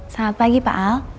selamat pagi pak al